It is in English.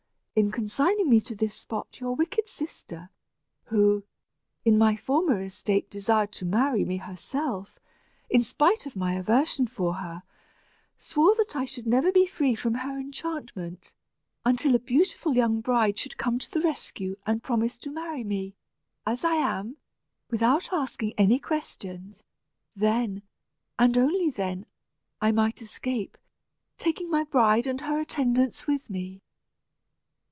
In consigning me to this spot, your wicked sister, who, in my former estate desired to marry me herself, in spite of my aversion for her, swore that never should I be free from her enchantment, until a beautiful young bride should come to the rescue and promise to marry me, as I am, without asking any questions. Then, and then only, I might escape, taking my bride and her attendants with me."